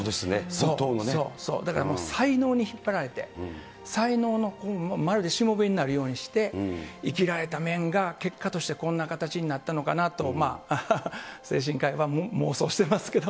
そうそうそう、だから才能に引っ張られて才能のまるでしもべになるようにして、生きられた面が、結果としてこんな形になったのかなと、精神科医は妄想してますけど。